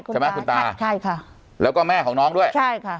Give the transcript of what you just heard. ใช่ไหมคุณตาใช่ค่ะแล้วก็แม่ของน้องด้วยใช่ค่ะ